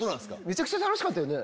めちゃくちゃ楽しかったよね。